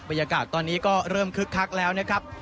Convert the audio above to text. บรรยากาศตอนนี้ก็เริ่มคึกคักแล้วนะครับ